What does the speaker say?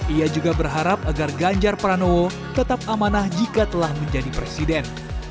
ia juga berharap agar ganjar pranowo tetap amanah jika telah menjadi presiden